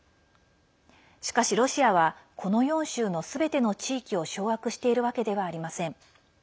しかし、ロシアはこの４州のすべての地域を掌握しているわけではありません。